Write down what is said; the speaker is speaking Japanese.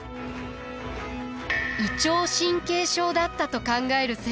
胃腸神経症だったと考える専門家も。